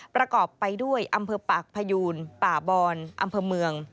ประกอบไปด้วยอำเภอปากพยูนป่าบอนอำเภอเมือง